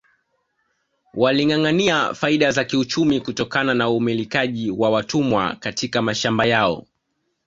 Walingâangâania faida za kiuchumi kutokana na umilikaji wa watumwa katika mashamba yao